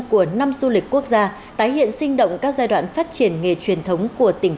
của năm du lịch quốc gia tái hiện sinh động các giai đoạn phát triển nghề truyền thống của tỉnh